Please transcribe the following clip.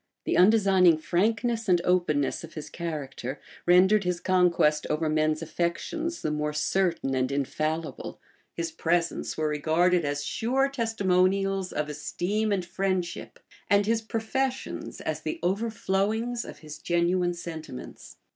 The undesigning frankness and openness of his character rendered his conquest over men's affections the more certain and infallible: his presents were regarded as sure testimonials of esteem and friendship; and his professions as the over flowings of his genuine sentiments.